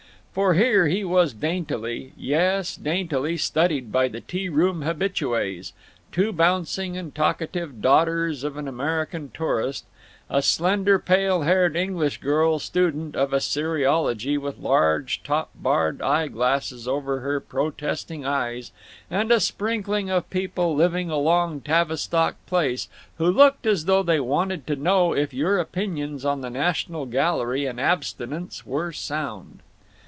For here he was daintily, yes, daintily, studied by the tea room habitues—two bouncing and talkative daughters of an American tourist, a slender pale haired English girl student of Assyriology with large top barred eye glasses over her protesting eyes, and a sprinkling of people living along Tavistock Place, who looked as though they wanted to know if your opinions on the National Gallery and abstinence were sound.